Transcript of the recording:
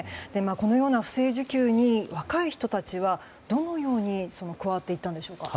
このような不正受給に若い人たちはどのように加わっていったんでしょうか。